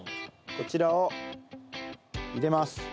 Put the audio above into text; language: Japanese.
こちらを入れます